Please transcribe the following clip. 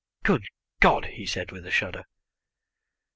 "Good God!" he said with a shudder.